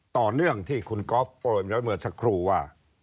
ต่อเนื่องที่คุณก๊อฟโปรยไว้เมื่อสักครู่ว่า